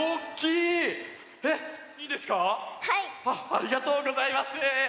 ありがとうございます！